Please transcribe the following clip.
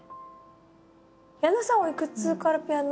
矢野さんはおいくつからピアノを？